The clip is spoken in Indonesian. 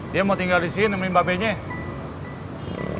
dia mau tinggal di sini nemenin mbak benyek